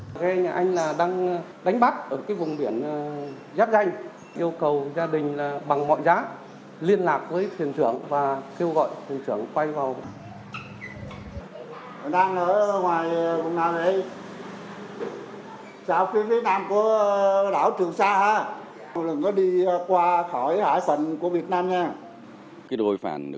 nghe nhà anh đang đánh bắt ở vùng biển giáp danh yêu cầu gia đình bằng mọi giá liên lạc với thuyền trưởng và kêu gọi thuyền trưởng quay vào